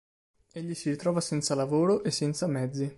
Egli si ritrova senza lavoro e senza mezzi.